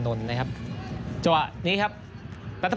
ส่วนที่สุดท้ายส่วนที่สุดท้าย